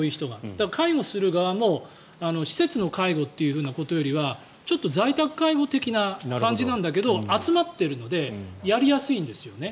だから介護する側も施設の介護というふうなことよりはちょっと在宅介護的な感じなんだけど集まっているのでやりやすいんですよね。